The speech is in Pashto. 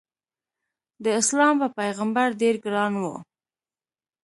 داسلام په پیغمبر ډېر ګران و.